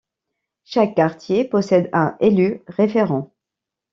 Chaque quartier possède un élu référent.